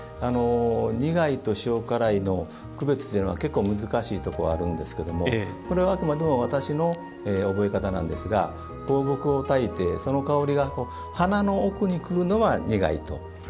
苦いと塩辛いの区別というのは結構難しいところがあるんですがこれはあくまでも私の覚え方なんですが香木をたいて、その香りが鼻の奥にくるのは苦いと。